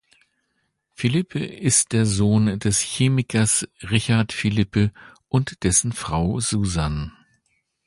Phillippe ist der Sohn des Chemikers Richard Phillippe und dessen Frau Susan.